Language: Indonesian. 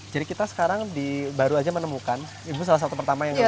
jadi kita sekarang baru saja menemukan ibu salah satu pertama yang lihat